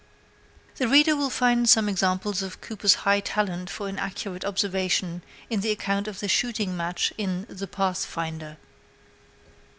The reader will find some examples of Cooper's high talent for inaccurate observation in the account of the shooting match in The Pathfinder.